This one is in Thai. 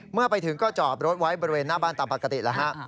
เมื่อไปถึงก็จอดรถไว้บริเวณหน้าบ้านตามปกติแล้วฮะ